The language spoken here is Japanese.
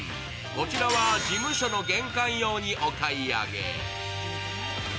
こちらは事務所の玄関用にお買い上げ。